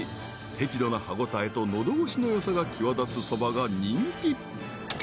［適度な歯応えと喉越しのよさが際立つそばが人気］